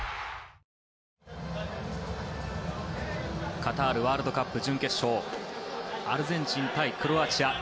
カタールワールドカップ準決勝アルゼンチン対クロアチア。